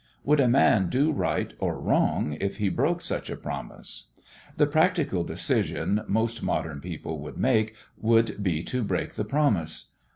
Would a man do right or wrong if he broke such a promise? The practical decision most modern people would make would be to break the promise.